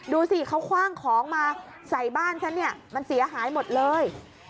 ดูสิเขาคว่างของมาใส่บ้านฉันเนี่ยมันเสียหายหมดเลย